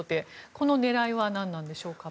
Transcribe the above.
この狙いは何なんでしょうか。